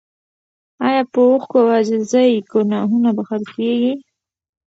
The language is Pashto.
ایا په اوښکو او عاجزۍ ګناهونه بخښل کیږي؟